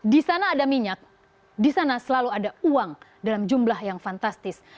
di sana ada minyak di sana selalu ada uang dalam jumlah yang fantastis